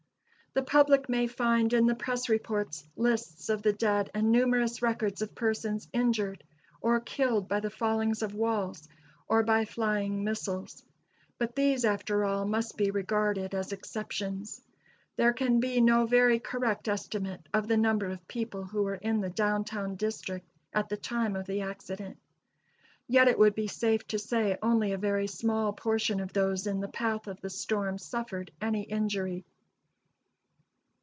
The public may find in the press reports lists of the dead and numerous records of persons injured or killed by the fallings of walls, or by flying missiles; but these, after all, must be regarded as exceptions. There can be no very correct estimate of the number of people who were in the down town district at the time of the accident. Yet, it would be safe to say only a very small portion of those in the path of the storm suffered any injury.